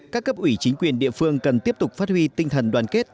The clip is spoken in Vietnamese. các cấp ủy chính quyền địa phương cần tiếp tục phát huy tinh thần đoàn kết